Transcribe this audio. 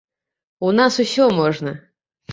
У нас усё можна.